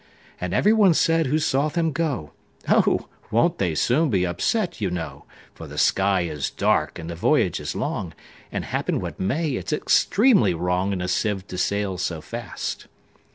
And every one said who saw them go,"Oh! won't they be soon upset, you know:For the sky is dark, and the voyage is long; And, happen what may, it 's extremely wrongIn a sieve to sail so fast."